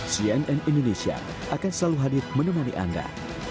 cnn indonesia akan selalu hadir menemani anda